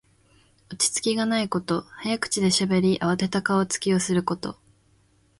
落ち着きがないこと。早口でしゃべり、あわてた顔つきをすること。